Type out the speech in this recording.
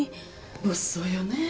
物騒よねぇ！